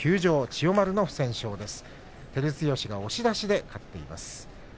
千代丸の不戦勝です。